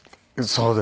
そうです。